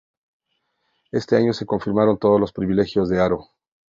Ese año se confirmaron todos los privilegios de Haro.